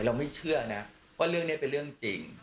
ไม่เชื่อนะว่าเรื่องนี้เป็นเรื่องจริง